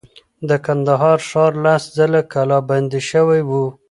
د کندهار ښار لس ځله کلا بند شوی و.